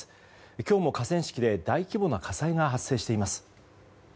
今日も河川敷で大規模な火災が発生しています。